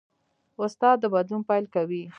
استاد د بدلون پیل کوي.